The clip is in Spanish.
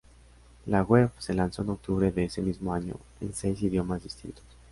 La web se lanzó en octubre de ese mismo año en seis idiomas distintos.